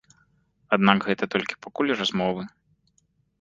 Аднак гэта толькі пакуль размовы.